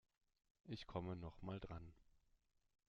Ich komme noch mal dran.